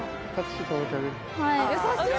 優しい。